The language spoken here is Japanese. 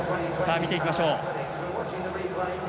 見ていきましょう。